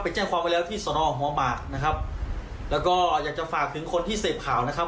แจ้งความไว้แล้วที่สนหัวหมากนะครับแล้วก็อยากจะฝากถึงคนที่เสพข่าวนะครับ